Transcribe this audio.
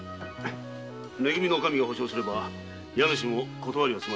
「め組」のおかみが保証すれば家主も断りはすまい。